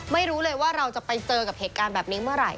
ไม่รู้เลยว่าเราจะไปเจอกับเหตุการณ์แบบนี้เมื่อไหร